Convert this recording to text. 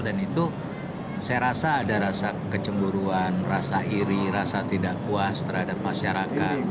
itu saya rasa ada rasa kecemburuan rasa iri rasa tidak puas terhadap masyarakat